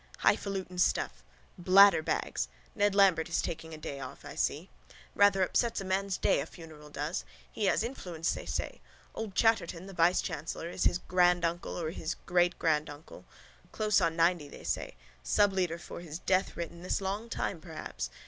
High falutin stuff. Bladderbags. Ned Lambert is taking a day off I see. Rather upsets a man's day, a funeral does. He has influence they say. Old Chatterton, the vicechancellor, is his granduncle or his greatgranduncle. Close on ninety they say. Subleader for his death written this long time perhaps.